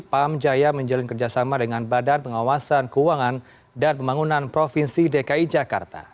pam jaya menjalin kerjasama dengan badan pengawasan keuangan dan pembangunan provinsi dki jakarta